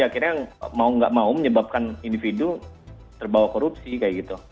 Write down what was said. akhirnya mau nggak mau menyebabkan individu terbawa korupsi kayak gitu